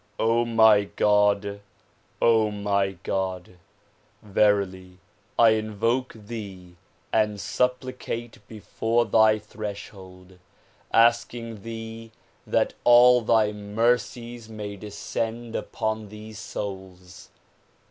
my God! my God! Verily I invoke thee and supplicate before thy threshold asking thee that all thy mercies may descend upon these souls.